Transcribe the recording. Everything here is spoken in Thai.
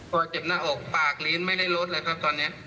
พอเจ็บหน้าอกปากลื้นไม่ได้ลดแล้วครับตอนนี้